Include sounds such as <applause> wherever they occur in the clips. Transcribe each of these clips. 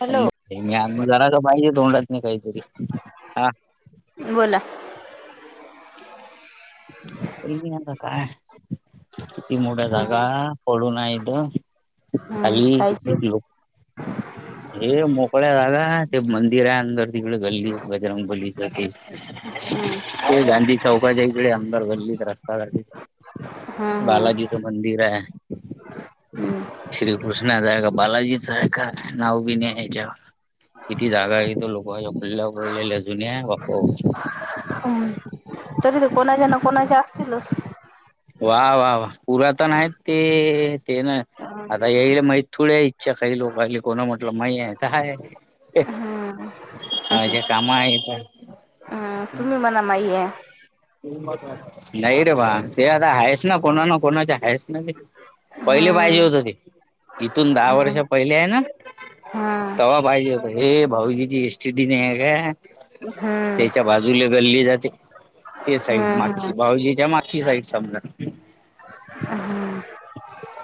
Hello मी अ म जरा तर पाहिजे तोंडात नाही काहीतरी हा बोला आता काय किती मोठा जागा हम्म पडून हाय इथं खाली ये खायची पिलो हे मोकळ्या जागा ते मंदिर हाय अंदर तिकडं गल्लीत बजरंग बलीच हे हम्म ते गांधी चौकाच्या इकडे आमदार गल्लीत रस्ता करत्यात हम्म बालाजीच मंदिर हाय. श्रीकृष्णाच आहे का बालाजीचं आहे का नाव बी नाही याच्यावर किती जागा येतो लोक पडल्या पडलेल्या जुन्या बापपा हो तरी ते कोणाच्या ना कोणाचे असतीलच. वा वा वा पुरातन आहेत ते ते ना आता याईल माहि थोड्या इच्छा काही लोकली कोणा म्हटलं मा आहे काय हम्म ह ज्या काम आहे का हम्म तुम्ही मला माही हे नाहीय रे बा ते आता हायस ना कोणा न कोणा हायस ना ते पहिले पाहिजे हम्म होत ते इथून दहा हम्म वर्ष पहिले आहे ना हम्म तवा पाहिजे होता हे भाऊजीची एस टी डी नाही हे ग हम् त्याच्या बाजूला गल्ली जाते. ते साईड हम्म हम्म मागची भाऊजीच्या मागची साईड समजा हम्म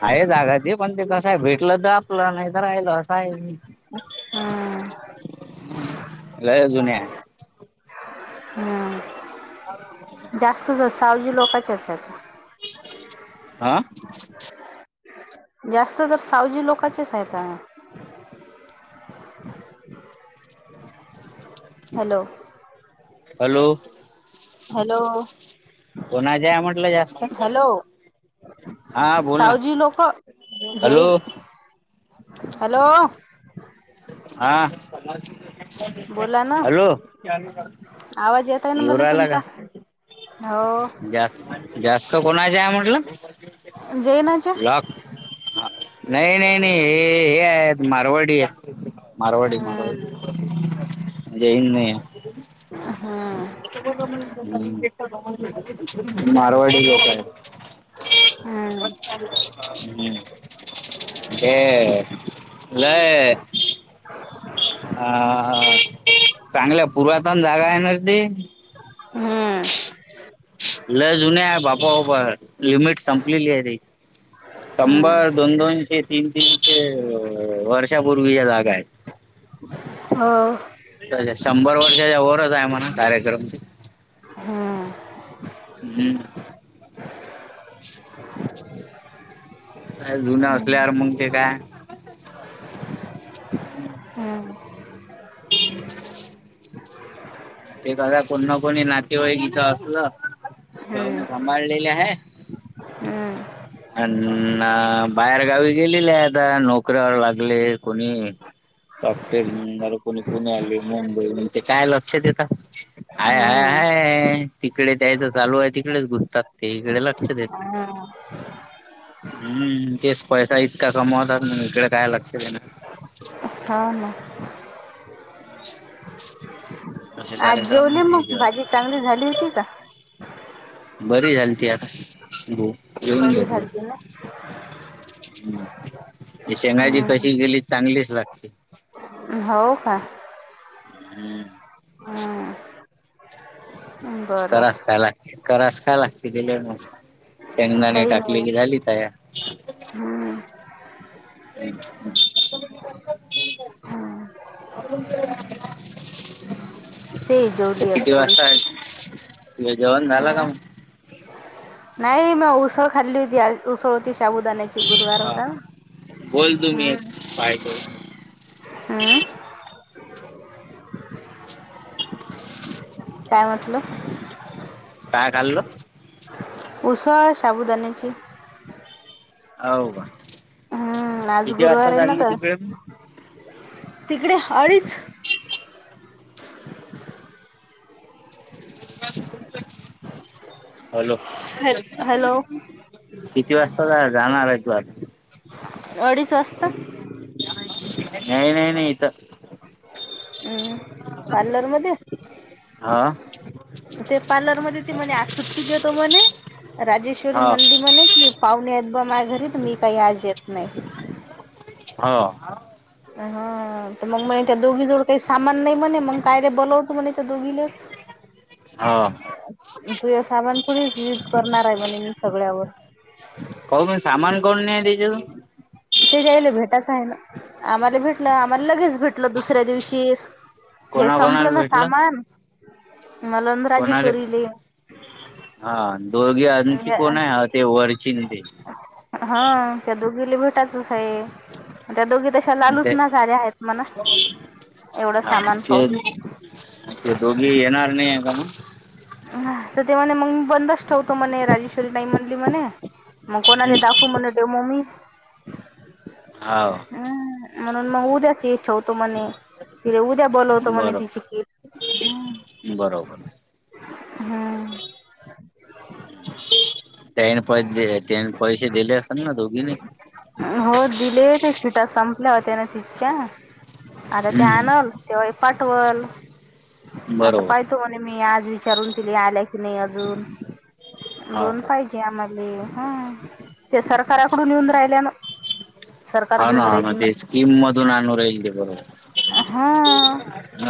आहे जागा ते पण ते कसं आहे भेटलं तर आपला नाही तर राहिल असं हाय हम्म लई जुन्या हाय <inaudible> जास्तच सावजी लोक ची असतात आ जास्त तर सावजी लोकांचेच हायता. हॅलो हॅलो हॅलो कोणाच्या म्हटलं जास्त लोकां हॅलो हा बोल ना सावजी लोक हॅलो जैन हॅलो हा बोला ना हॅलो आवाज येत आहे ना येऊ मला राहिला तुमचा का हो जास्त जास्त कोणाची हाय म्हटला. जैनाच्या. हां नाही नाही नाही हे हे आहेत मारवाडी हे मारवाडी हम्म मारवाडी जैन नई हेत. हम्म मारवाडी लोक आहेत. हम्म <unintelligible> ए ल <inaudible> हा चांगल्या पूर्वातन जागा आहेणा ती हम्म लय जुन आहे बापा बापा लिमिट संपलेली आहे ती हम्म शंभर दोन दोनशे तीन तीनशे वर्षापूर्वी ची जागा आहे. हो शंभर वर्षाच्या वरच आहे म्हणा डायरेक्ट. हम्म हम्म <unintelligible> हे जुन असल्यावर मग ते काय <unintelligible> हम्म <unintelligible> ते क कोण ना कोणी नातेवाई इथं असलं हम्म स सांभाळलेले आहे. हम्म अ बाहेरगावी गेलेले आहेत नोकऱ्यावर लागले कोणी सॉफ्टवेअरणार कोणी पुणे आले मुंबई म्हण ते काय लक्षात येत हय हाय हम्म हाय तिकडे द्यायचं चालू आहे तिकडेच घुसतात ते इकडे लक्ष देत हम्म हम् तेच पैसा इतका कमवतात मग इकडे काय लक्ष देत हां हां असे आज कार्यक्रम जेवले मग भाजी आहेत चांगली झाली होती का? बरी झाली ती आता जेवून बरी घेतो. झालती ना शेंगजी हम्म कशी गेली चांगलीच लागते. हो का हम्म <inaudible> बरं करा काय लागते, करा काय लागते, गेले मग. शेंगदाने काही नाही टाकले की झाली तया. हम्म <inaudible> हम्म ते जेवली एक किती पोळी वाजताये, तुज जेवण झालं का हम्म म. नाही म उसळ खाल्ली होती आज उसळ होती शाबूदाण्याची गुरुवार हा होता ना. <unintelligible> हम्म काय म्हटलं. काय खाल्लं. उसळ साबुदाान्याची. हव का हम्म आज किती वाजता गुरुवार आहे ना लागली तर <unintelligible> तिकडे अडीच. हॅलो! हॅल हॅलो किती वाजता जा जाणार ये तू आत. अडीच वाजता नही नही नहीं इथ. <inaudible> पार्लर मध्ये. हा! ते पार्लरमध्ये ती म्हणे आज सुट्टी देतो म्हणे राजेश्वरी हा मनली म्हणे. की पाहुणे आहेत बॉ माह्या घरी त मी काही आज येत नाही. हा! हा तर मग मने त्या दोघी जवळ काही सामान नाही म्हणे मग काय ले बोलव तुमनहीं त दोघीलच. हा! तूहय सामान थोडीचं युज करणार आहे म्हणे मी सगळ्यावर. काऊन नहीं सामान काऊन नाही तिच्या जवळ. ते त्यायला भेटाचं आहे ना, आम्हाला भेटलं आम्हाला लगेच भेट ल दुसऱ्या दिवशीश हे कोणाकोणाला संपलं ना भेटलं सामान मला कोणाले, राजेश्वरीले हा दोघे आणखी कोण आहे ते वरची न ते. हा त्या दोघीले भेटायचचं आहे त्या दोघी त श्या लालूच ते नचं आल्या आहेत मणा. हा ते ते दोघी येणार नाही आहे का मग. तर ते म्हणे मंग बंदच ठेवतो मणे राजेश्वरी नाही म्हणली म्हणे. मग कोणाले दाखु म्हणे डेमो मी. हाव! ह म्हणून मग उद्या चं हे ठेवतो म्हणे, उद्या बोलवतो म्हणे तिची बरोबर किट. बरोबर. हं! त्याने पै दिले, त्यानी पैसे दिले असल ना दोघीणी अ हो दिले त्या किटा संपल्या होत्या न तिच्या. आता ते आणल हम्म तेव्हा ही पाठवल आता बरोबर पाहि तो न मी आज विचारून तिले आल्या की नाही अजून हा दोन हा पाहिजे. ते आमाले हा ते सरकाराकडून येऊन राहिल्या न. हा ना हा ना ते स्कीम मधून आणू राहीली ते बरो हा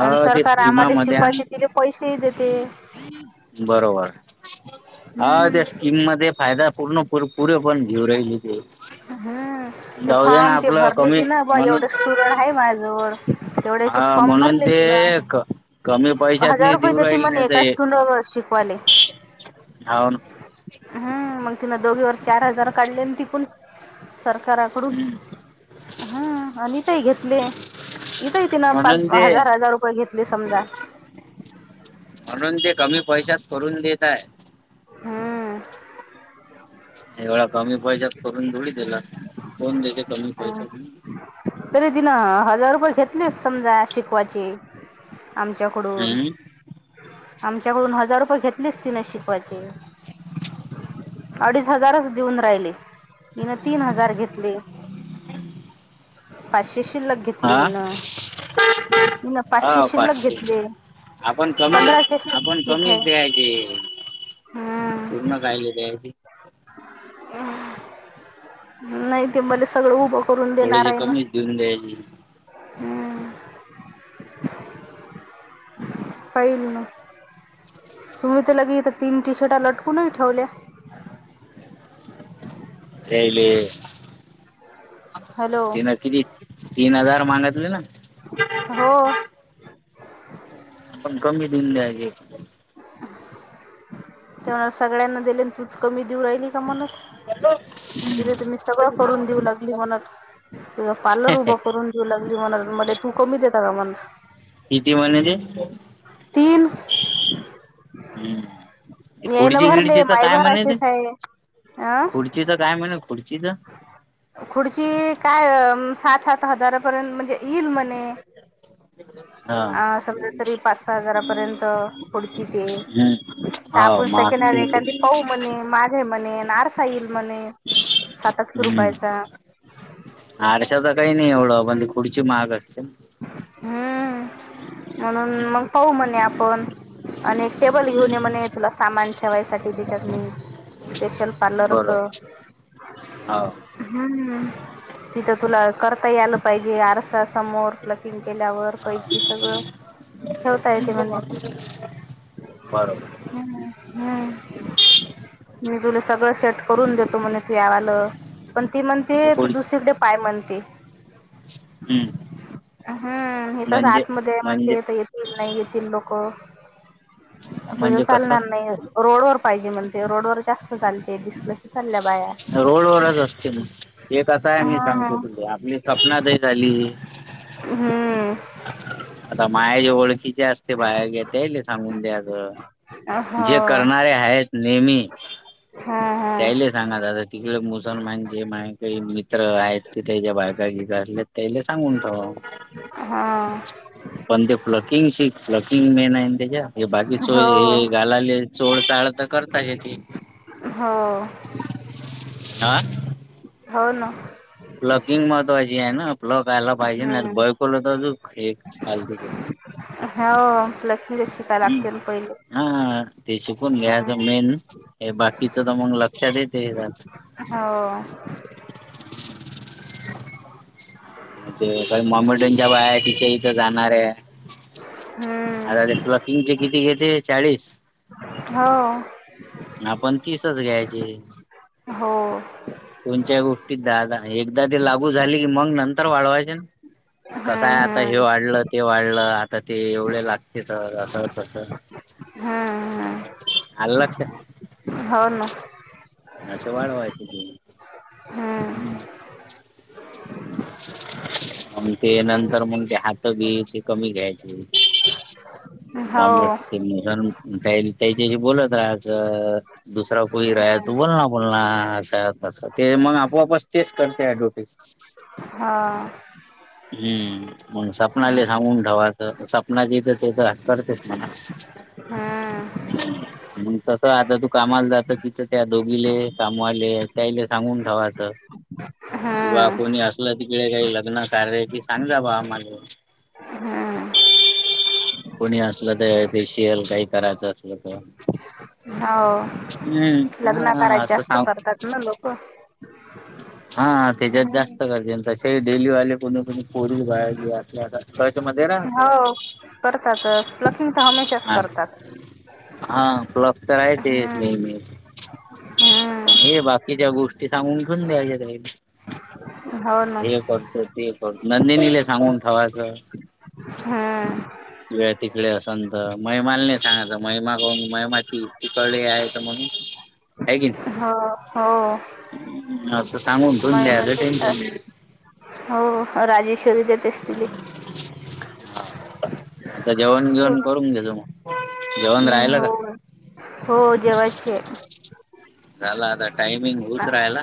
आणि सरकार आम्हाला स्कीमामध्ये आणि शिकवायचे तिले पैसेही देते. बरोबर, हा हम्म तेचकी मध्ये फायदा, पूर्ण पूर, पुरे पण घेऊ राहिली ते. हम्म, ते जाऊ दे ना फॉम ते आपलं भरले कमी ती न, बा म्हणून एवढे स्टुडंट हाय माय जवळ तेवढ्याचे हा फम म्हणून भरले ति न. ते क कमी पैशात हजार नाही रुपय देऊ देती राहिल म्हणे, नाही एका स्टूलवर शिकवाले. हा ना. हम, मग तिनं दोघीवर चार हजार काढले आणि ती पून सरकाराकडून. हम्म हम, आणि इथय घेतले, इथंय तिनं पाच म्हणून ते हजार- हजार रुपये घेतले समजा. म्हणून ते कमी पैशात करून देत हाय. हम्म. एवढ कमी पैशात करून थोडी दिला, कोण देत्यात कमी पैशातनी. तरी ती नं हजार रुपये घेतलेच समजा शिकवायचे आमच्याकडून, हम्म आमच्याकडून हजार रुपये घेतलेच तिने शिकवायचे. <unintelligible> जार देऊन राहिले तिनं, तीन हजार घेतले. <inaudible> पाचशे शिल्लक घेतली हा हिन, हिन पाचशे शिल्लक घेतले. आपण कमी, पंधराशे आपण किट आहे कमीच द्यायचे, हम्म पूर्ण कायले द्यायचे. नाही ते मला सगळं उभं करून देणार थोडेसे हाय ना. कमीच देऊन द्यायचे हम्म, पहिल ना. तुम्ही तर लगे इथं तीन टी शर्टा लटकू नही ठेवल्या. तेले, हॅलो तिनं किती, तीन हजार माणतले ना? हो. आपण कमी देऊन द्याची. तेव्हा, सगळ्यांना दिलेन तूच कमी देऊ राहिली म्हणत. हम्म पुढं तुम्ही सगळं करून देऊ लागली म्हणत, तुझ पार्लर उभं करून देऊ लागली म्हणत, मले कमी देता का म्हण किती म्हनते? तीन हम्, येईन खुडची भरले -गिडची तर माय काय म्हणे ते, भरायचेच आहे अं खुची ति तर काय म्हणे खुडचीच? खुढची, काय सात -सात हजारापर्यंत म्हणजे येईल म्हण नही, हा समजा तरी पाच- सहा हजारपर्यंत. खुडची ते, हम्म तर हो आपण सेकंड महाग हॅन्ड एखादी पऊ म्हणे, माझे म्हणे, नारसाईल म्हणे सात आठशे हम्म, रुपयाचा आरश्याचं काही नाही एवढं, पण ते खुडची महाग असते ना. हम्म, म्हणून मग पाहू म्हणे आपण आणि एक टेबल घेऊन ये म्हणे, तुला सामान ठेवायसाठी त्येच्यात नी. स्पेशल पार्लरच. बरोबर हो हम्म, तिथं तुला करता यायला पाहिजे, आरसाच समोर प्लकिंग केल्यावर, हो कैची सगळं ठेवता येते म्हणे. बरोबर. हा ना, हम्म मी तुला सगळं सेट करून देतो म्हणे तू यावालं. पण ती म्हणते ते तू खुर्ची दुसरीकडे पाय म्हणते. हम्म हम्म इथेच म्हणजे आतमध्ये हाय म्हणते म्हणजे येत नाही येतील लोक तुझं म्हणजे कसं चालणार नाही रोडवर पाहिजे म्हणते रोडवर जास्त चालते दिसलं की चालल्या बाया रोडवररच असते मग एक कं आहे मी सांगतो हा तुझे आपली सपना ताई झाली. हम्म आता माया जे ओळखीचे असते बाया घे त्याले सांगून द्याचं. हो जे करणारे आहेत नेहमी हा त्याईले हा सांगा दादा तिकडे मुसलमान जे मा काही मित्र आहेत ते त्याच्या बायकागले त्याला सांगून ठेवा. हा <unintelligible> पण ते फ्लकिंग शिक फ्लकिंग मेन आहे त्याच्या हे बाकी सो हो हे गालाले सोड साळ तर करता याची हो आ हो ना प्लकिंग महत्त्वाची आहे ना प्लक आयला पाहिजे ना हम्म बयकोलल तर एक पालथ घेत हा वो प्लकिंगच शिकायला लागतंय पहि हा ते शिकून घ्याच मेन हे बाकीच तर मग लक्षात येतायच हो <unintelligible> ते का मम्मी टनच्या बाया तिच्या इथं जाणार आहे आता हम्म ते तुला प्लकिंग चे किती घेते चाळीस हो आपण तीसचं घ्यायची. हो कोणच्याही गोष्टीत दहा दहा एकदा ते लागू झाली की मग नंतर वाढवायचे कसंय हम्म हाय आता हे वाढलं ते वाढलं. आता ते एवढे लागतेत अस तसं हम्म हम्म हम्म आलं लक्षात हो ना असं वाढवायच हम्म आणि ते नंतर मग ते हात ते बी कमी घ्यायच <unintelligible> हो त्या त्याच्याशी बोलत राहायाच दुसरा कोई राहा त हम्म बोल ना पुन्हा असं तस ते मग आपोआपच तेच करते ऍडव्हर्टीस हां हम्म सपना ले सांगून ठेवा. सपना जिथं ते तर करतेच म्हणा हां <unintelligible> मग तस आता तू कामाला जात तिथं त्या दोघीले कामवाले ताईले सांगून ठेव असं <inaudible> की बा हम्म कोणी असलं तिकडे काही लग्नात कार्य की सांगा बा आमाले हम्म कोणी असलं तर शेअर काही करायचं हो हम्म लग्न हा करायचे असं जास्त सांग करतात <unintelligible> <inaudible> हां त्याच्यात जास्त हम्म करजेन तसे डेली वाले कोणी कोणी पोरी बाल्या जे आपले आता हाव करतातच प्लकिंग तर हमेशाच करतात हां प्लग तर आहे ते हम्म नेहमी पन हे हम्म बा किच्या गोष्टी सांगून ठेवून द्यायच्या त्या हो ना हे करतो ते कर नंदिनी ले सांगून ठेवायचं हां तुझ्या तिकडे असंतर मय माल नाही सांगयच महिमागून महिमाची पिकळले आहे म्हणून आहे की नाई हो, हो आसं सांगून ठेवुनी द्यायचं मग टेन्शन नाही हो राजेश्वरी देत असतील आता जेवण, जेवण करून घेजो मग जेवण हम्म राहिलं का हो, हो जेवयचीये झाला आता टायमिंग हुउचरायला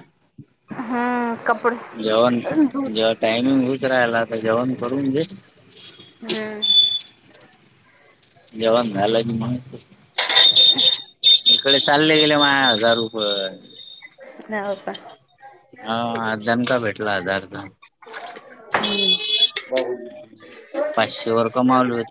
हम्म कपडे जेवण जेव टाइमिंग उचरायला तर जेवण करून घे हम्म जेवण झालं की मंग इकडे चालले गेले माझ हजार रु पय हाव का हा आज दनका भेटला हजारचा हो पाचशेवर कमावले ठीक होते